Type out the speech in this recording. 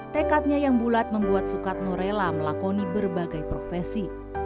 tekadnya yang bulat membuat sukatno rela melakoni berbagai profesi